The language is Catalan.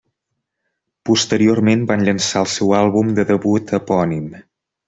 Posteriorment van llançar el seu àlbum de debut epònim.